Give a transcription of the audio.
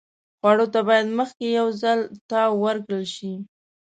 خوړو ته باید مخکې یو ځل تاو ورکړل شي.